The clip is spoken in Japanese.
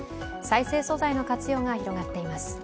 再生素材の活用が広がっています。